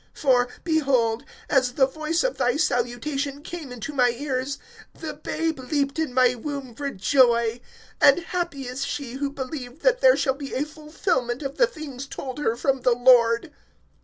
(44)For, behold, as the voice of thy salutation came into my ears, the babe leaped in my womb for joy. (45)And happy is she, who believed that there shall be[1:45] a fulfillment of the things told her from the Lord.